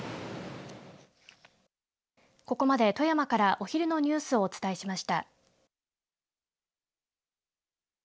ここまで富山からお昼のニュースをお伝えしました。